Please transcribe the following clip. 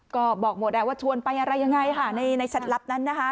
ก็บอกหมดว่าชวนไปอะไรยังไงค่ะในแชทลับนั้นนะคะ